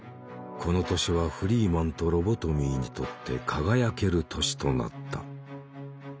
この年はフリーマンとロボトミーにとって輝ける年となった。